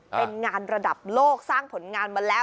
เป็นงานระดับโลกสร้างผลงานมาแล้ว